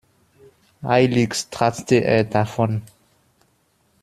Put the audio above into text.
Eilig stratzte er davon.